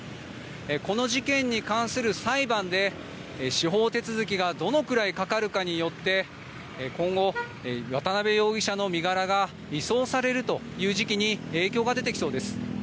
この事件に関する裁判で司法手続きがどのくらいかかるかによって今後、渡邉容疑者の身柄が移送されるという時期に影響が出てきそうです。